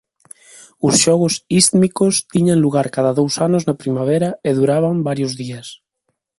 Os Xogos Ístmicos tiñan lugar cada dous anos na primavera e duraban varios días.